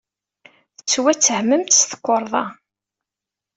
Tettwattehmemt s tukerḍa.